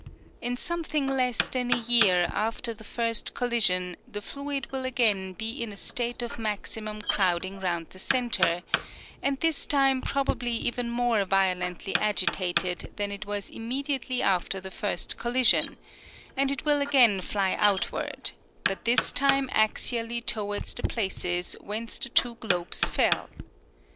In something less than a year after the first collision the fluid will again be in a state of maximum crowding round the centre, and this time probably even more violently agitated than it was immediately after the first collision ; and it will again fly outward, but this time axially towards the places whence the two globes fell.